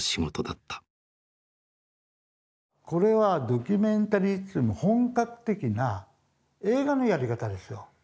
これはドキュメンタリーと言っても本格的な映画のやり方ですよ。